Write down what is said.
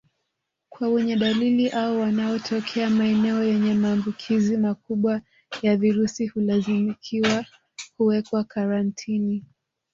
Kwa wenye dalili au wanaotokea maeneo yenye maambukizi makubwa ya virusi hulazimikwa kuwekwa karantini